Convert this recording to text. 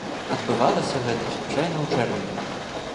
Адбывалася гэта звычайна ў чэрвені.